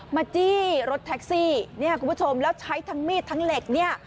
จี้รถแท็กซี่เนี่ยคุณผู้ชมแล้วใช้ทั้งมีดทั้งเหล็กเนี่ย